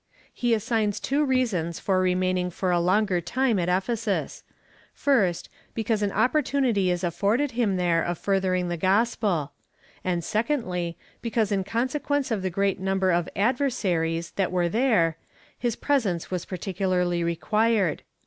He assigns two reasons for remaining for a longer time at Ephesus — 1st, Because an opportunity is afforded him there of furthering the gospel ; and 2dly, Because, in consequence of the great number of adversaries that were there, his pre sence was particularly required.